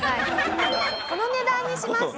この値段にします。